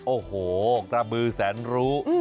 โอ้โหกระบือแสนรู้